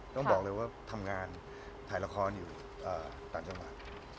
ต้องบอกเลยว่าทำงานถ่ายละครอยู่ต่างจังหวัด